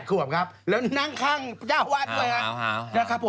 นี่๘ขวบครับแล้วนั่งข้างเจ้าอวาสไว้ครับ